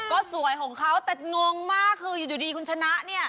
ก็สวยของเขาแต่งงมากคืออยู่ดีคุณชนะเนี่ย